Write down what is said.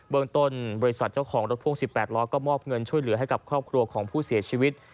เมืองต้นบริษัทเจ้าของรถพ่วง๑๘ล้อก็มอบเงินช่วยเหลือให้กับครอบครัวของผู้เสียชีวิต